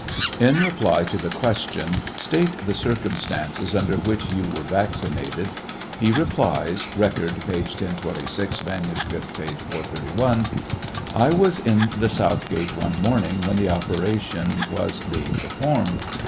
In reply to the question, " State the circumstances under which you were Taccinated," he replies, (Record, p. 1026 ; manuscript, p. 431 :) Iwas at the south gate one morningwhen the operation was being performed.